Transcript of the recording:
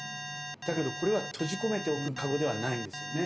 だけどこれは閉じ込めておくかごではないんですよね。